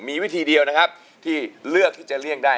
มีวิธีเดียวนะครับที่เลือกที่จะเลี่ยงได้